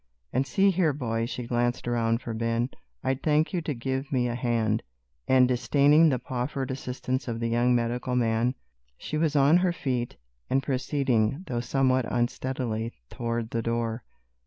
"And see here, boy," she glanced around for Ben, "I'd thank you to give me a hand," and disdaining the proffered assistance of the young medical man, she was on her feet, and proceeding, though somewhat unsteadily, toward the door.